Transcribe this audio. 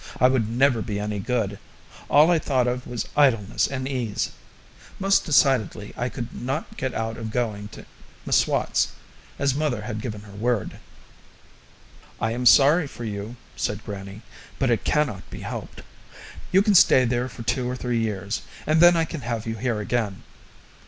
I would never be any good; all I thought of was idleness and ease. Most decidedly I could not get out of going to M'Swat's, as mother had given her word. "I am sorry for you," said grannie, "but it cannot be helped. You can stay there for two or three years, and then I can have you here again."